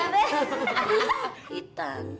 gak marah be